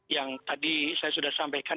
yang tadi saya sudah sampaikan